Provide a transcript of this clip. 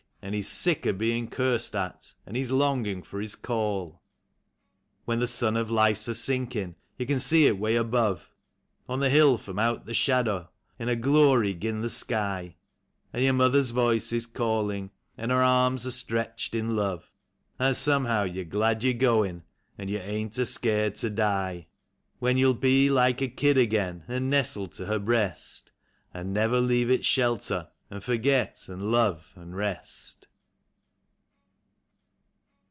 An' he's sick of bein' cursed at, an' he's longin' fer his call: When the sun of life's a sinkin' you can see it 'way above, On the hill fro]n nut the shadder in a glory 'gin the sky, An' your mother's voice is callin', an' her arms are stretched in love. An' somehow you're glad you're goin', an' you ain't a scared to die; When you'll be like a kid again, an' nestle to her breast. An' never leave its shelter, an' forget, an' love, an' rest.